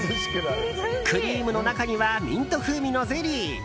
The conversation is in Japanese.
クリームの中にはミント風味のゼリー。